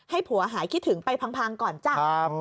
ผัวหายคิดถึงไปพังก่อนจ้ะ